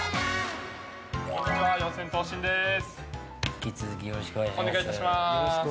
引き続きよろしくお願いします。